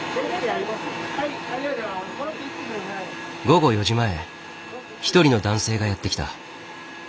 午後４時前一人の男性がやって来た。